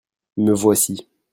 me voici.